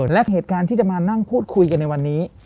และเหตุการณ์ที่จะมานั่งพูดคุยกันในวันนี้